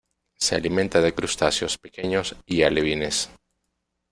Se alimenta de crustáceos pequeños y alevines.